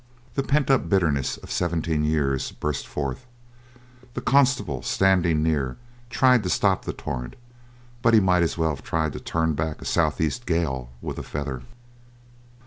The pent up bitterness of seventeen years burst forth. The constable standing near tried to stop the torrent, but he might as well have tried to turn back a south east gale with a feather.